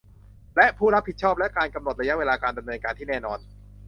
และ ผู้รับผิดชอบ และการกำหนดระยะเวลาการดำเนินการที่แน่นอน